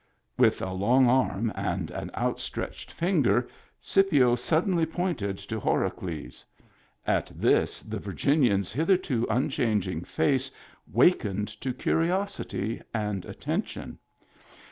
With a long arm and an outstretched finger, Scipio suddenly pointed to Horacles. At this the Virginian's hitherto unchanging face wa kened to curiosity and attention.